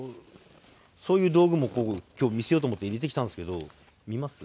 そういう道具もこう今日見せようと思って入れてきたんですけど見ます？